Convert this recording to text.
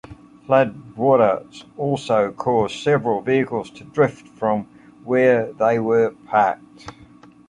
Floodwaters also caused several vehicles to drift from where they were parked.